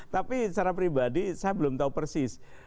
tapi secara pribadi saya belum tahu persis